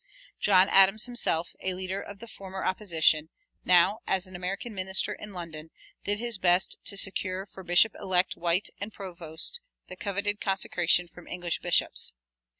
John Adams himself, a leader of the former opposition, now, as American minister in London, did his best to secure for Bishops elect White and Provoost the coveted consecration from English bishops.